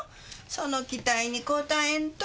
その期待に応えんと。